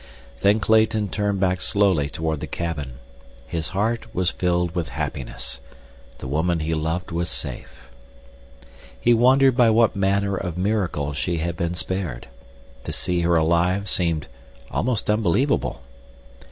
Then Clayton turned back slowly toward the cabin. His heart was filled with happiness. The woman he loved was safe. He wondered by what manner of miracle she had been spared. To see her alive seemed almost unbelievable.